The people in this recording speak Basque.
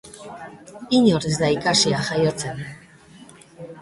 Inor ez da ikasia jaiotzen.